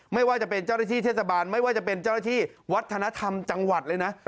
ไม่ว่าจะเป็นเจ้าหน้าที่เทศบาลไม่ว่าจะเป็นเจ้าหน้าที่วัฒนธรรมจังหวัดเลยนะ